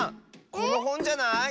このほんじゃない？